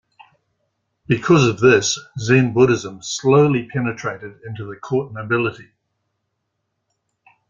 Because of this, Zen Buddhism slowly penetrated into the Court Nobility.